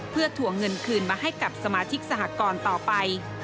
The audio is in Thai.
เพื่อถวงเงินคืนมาให้กับสมาชิกสหกรต่อไป